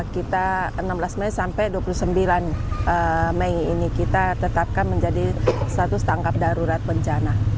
kita enam belas mei sampai dua puluh sembilan mei ini kita tetapkan menjadi status tangkap darurat bencana